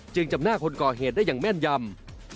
จำหน้าคนก่อเหตุได้อย่างแม่นยำ